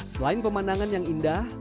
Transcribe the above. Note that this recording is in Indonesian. selain pemandangan yang indah